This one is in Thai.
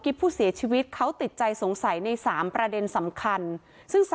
ผู้เสียชีวิตเขาติดใจสงสัยใน๓ประเด็นสำคัญซึ่ง